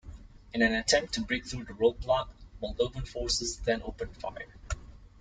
In an attempt to break through the roadblock, Moldovan forces then opened fire.